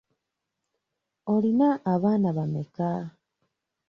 Olina abaana bameka?